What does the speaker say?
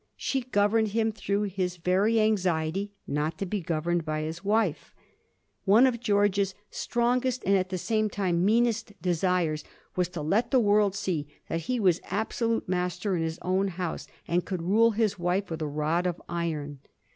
She governed him through his very anxiety not to be governed by his wife. One of George's strongest, and at the same time meanest, desires was to let theworld see that he was absolute master in his own house, and could rule his wife with a rod of iron.